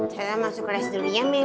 saya masuk kelas dulu ya men